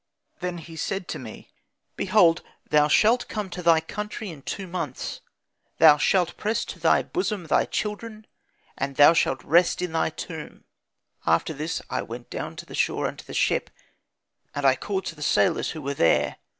"Then he said to me, 'Behold thou shalt come to thy country in two months, thou shalt press to thy bosom thy children, and thou shalt rest in thy tomb.' After this I went down to the shore unto the ship, and I called to the sailors who were there.